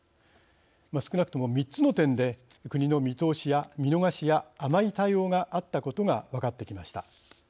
少なくとも３つの点で国の見逃しや甘い対応があったことが分かってきました。